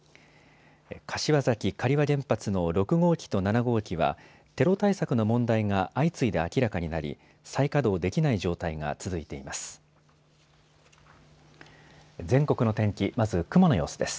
柏崎刈羽原発の６号機と７号機はテロ対策の問題が相次いで明らかになり再稼働できない状態が続いています。